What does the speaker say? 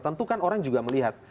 tentu kan orang juga melihat